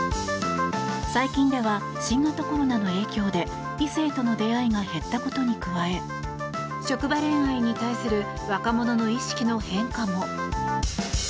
最近では新型コロナの影響で異性との出会いが減ったことに加え職場恋愛に対する若者の意識の変化も。